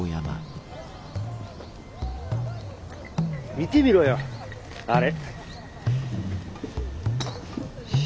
見てみろよあれ。